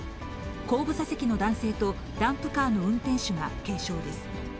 後部座席の男性とダンプカーの運転手が軽傷です。